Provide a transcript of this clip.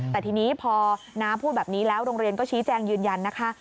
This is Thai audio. แต่ทีนี้พอน้าพูดแบบนี้แล้วโรงเรียนก็ชี้แจงยืนยันนะคะ